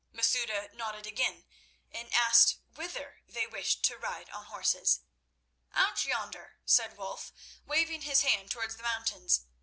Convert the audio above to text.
Masouda nodded again, and asked whither they wished to ride on horses. "Out yonder," said Wulf, waving his hand towards the mountains.